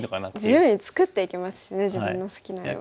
自由に作っていけますしね自分の好きなように。